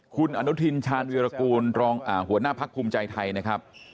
คุณอนุทิร์ชาญวิรกูรหัวหน้าภักดิ์ภาคภูมิใจไทยนะครับ